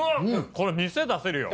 これ店出せるよ。